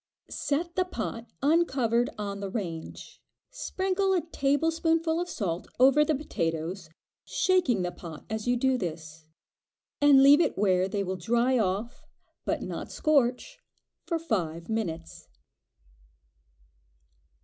Set the pot uncovered on the range; sprinkle a tablespoonful of salt over the potatoes, shaking the pot as you do this, and leave it where they will dry off, but not scorch, for five minutes.